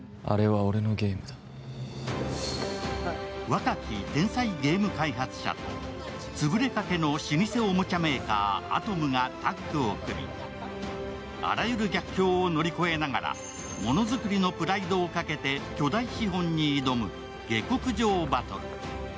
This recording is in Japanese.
若き天才ゲーム開発者と潰れかけの老舗おもちゃメーカー、アトムがタッグを組み、あらゆる逆境を乗り越えながらものづくりのプライドをかけて巨大資本に挑む下克上バトル。